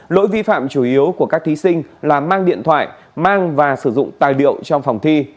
lỗi vi phạm chủ yếu của các thí sinh là mang điện thoại mang và sử dụng tài liệu trong phòng thi